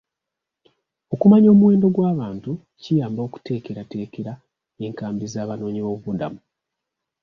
Okumanya omuwendo gw'abantu kiyamba okuteekerateekera enkambi z'abanoonyiboobubudamu.